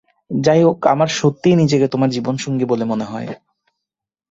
যাইহোক, আমার সত্যিই নিজেকে তোমার জীবনসঙ্গী বলে মনে হয়।